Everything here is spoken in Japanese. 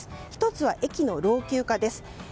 １つは駅の老朽化です。